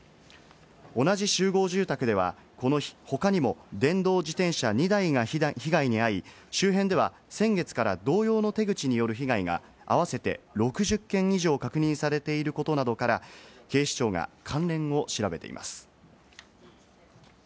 同じ集合住宅ではこの日、他にも電動自転車２台が被害に遭い、周辺では先月から同様の手口による被害があわせて６０件以上確認されていることなどから、警視庁が関連を調べています。